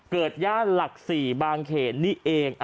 เกิดย่าภพหลักศรี่บางเขตนี้เอง